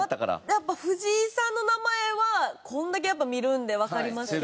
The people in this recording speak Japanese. やっぱり藤井さんの名前はこれだけやっぱり見るんでわかりますけど。